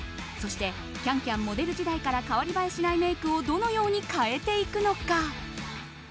そして「ＣａｎＣａｍ」モデル時代から変わりばえしないメイクをどのように変えていくのか。